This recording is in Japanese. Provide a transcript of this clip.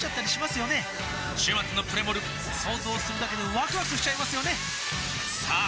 週末のプレモル想像するだけでワクワクしちゃいますよねさあ